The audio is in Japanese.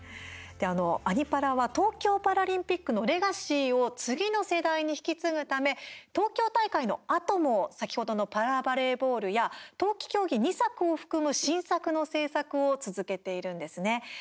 「アニ×パラ」は東京パラリンピックのレガシーを次の世代に引き継ぐため東京大会のあとも先ほどのパラバレーボールや冬季競技２作を含む新作の制作を続けているんですね。